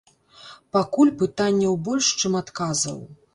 Пакуль пытанняў больш, чым адказаў.